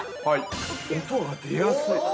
◆音が出やすい。